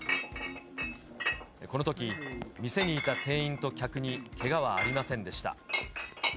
このとき、店にいた店員と客にけがはありませんでした。